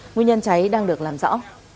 nguyên nhân cháy đang được làm rõ